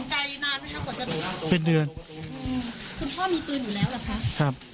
หลายเดือนครับ